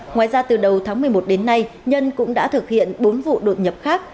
ngoài ra từ đầu tháng một mươi một đến nay nhân cũng đã thực hiện bốn vụ đột nhập khác